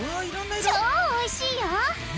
超おいしいよ！